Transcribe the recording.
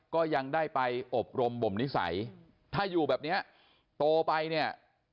ก็ยังได้ไปอบรมบ่มนิสัยถ้าอยู่แบบเนี้ยโตไปเนี่ย